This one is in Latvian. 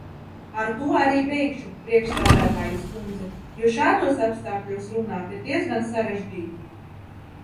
Ar to arī beigšu, priekšsēdētājas kundze, jo šādos apstākļos runāt ir diezgan sarežģīti.